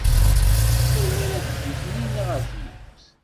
Melmi ara teddu Taninna ɣer tmurt?